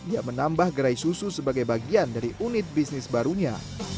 yang menambah gerai susu sebagai bagian dari unit bisnis barunya